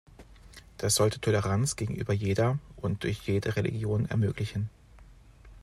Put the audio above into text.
Das sollte Toleranz gegenüber jeder und durch jede Religion ermöglichen.